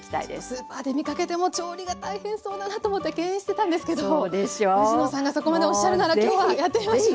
スーパーで見かけても調理が大変そうだなと思って敬遠してたんですけど藤野さんがそこまでおっしゃるなら今日はやってみましょう。